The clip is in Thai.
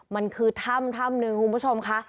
มันคือถ้ำนึงคุณผู้ชมค่ะ